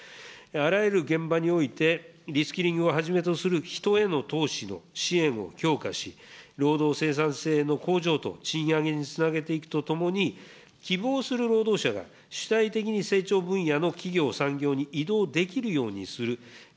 あらゆる現場においてリスキリングをはじめとする人への投資の支援を強化し、労働生産性の向上と賃上げにつなげていくとともに、希望する労働者が主体的に成長分野の企業、産業に移動できるようにする。